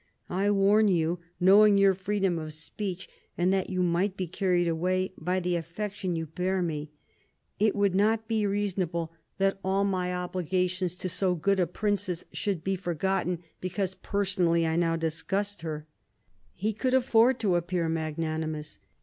I warn you, knowing your freedom of speech, and that you might be carried away by the affection you bear me. It would not be reasonable that all my obligations to 2i6 CARDINAL DE RICHELIEU so good a princess should be forgotten because personally I now disgust her." He could afford to appear magnanimous.